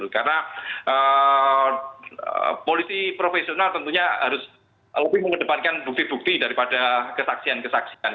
karena polisi profesional tentunya harus lebih mengedepankan bukti bukti daripada kesaksian kesaksian